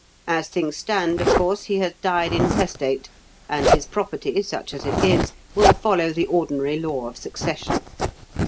As things stand, of course, he has died intestate, and his property, such as it is, will follow the ordinary law of succession.